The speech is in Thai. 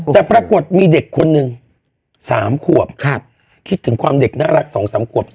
แต่ปรากฏมีเด็กคนหนึ่ง๓ขวบคิดถึงความเด็กน่ารัก๒๓ขวบ